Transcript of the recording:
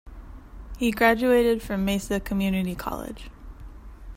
He graduated from Mesa Community College.